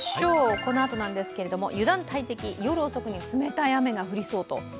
このあとなんですけれども油断大敵、夜遅くに冷たい雨が降りそう。